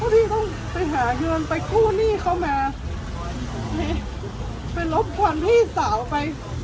ที่ต้องไปหาเงินไปกู้หนี้เขามาไปรบกวนพี่สาวไป